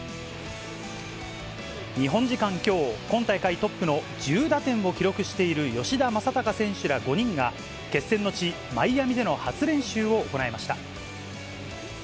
日本時間きょう、今大会トップの１０打点を記録している吉田正尚選手ら５人が、決戦の地、マイアミでの初練習を行いました。